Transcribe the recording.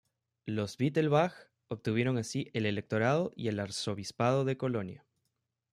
Los Wittelsbach obtuvieron así el electorado y el arzobispado de Colonia.